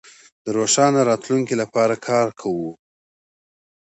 د روښانه راتلونکي لپاره کار کوو.